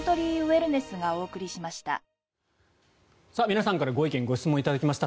皆さんからご意見・ご質問頂きました。